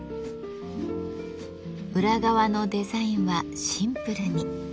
裏側のデザインはシンプルに。